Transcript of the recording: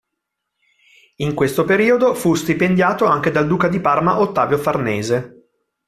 In questo periodo fu stipendiato anche dal duca di Parma Ottavio Farnese.